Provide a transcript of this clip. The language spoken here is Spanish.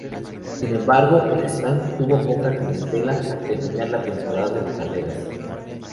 Sin embargo, el stand tuvo poca clientela al terminar la temporada de carreras.